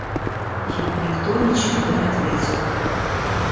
Ему никто ничего не ответил.